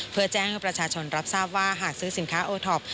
เพื่อแจ้งให้ประชาชนรับทราบว่าหากซื้อสินค้าโอท็อป